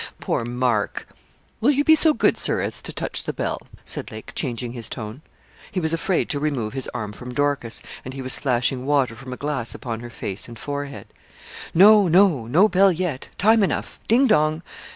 Poor Mark!' 'Will you be so good, Sir, as to touch the bell?' said Lake, changing his tone. He was afraid to remove his arm from Dorcas, and he was splashing water from a glass upon her face and forehead. 'No no. No bell yet time enough ding, dong.